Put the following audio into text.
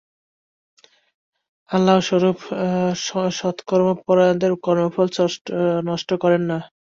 আল্লাহ সেরূপ সৎকর্ম পরায়ণদের কর্মফল নষ্ট করেন না।